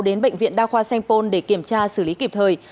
đến bệnh viện đa khoa sengpon để kiểm tra xử lý kịp thời